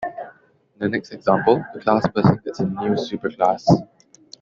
In the next example the class person gets a new superclass.